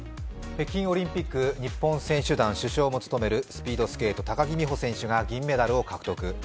北京オリンピック日本選手団主将も務めるスピードスケートの高木美帆選手が銀メダルを獲得。